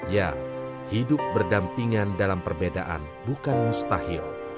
ya hidup berdampingan dalam perbedaan bukan mustahil